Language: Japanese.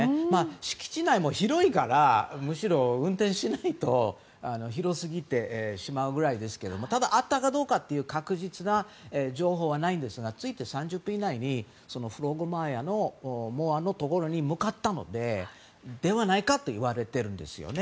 敷地内も広いからむしろ、運転しないと広すぎてしまうくらいですがただ会ったかどうかという確実な情報はないですが着いて３０分以内にフロッグモアに向かったので、そうではないかといわれているんですね。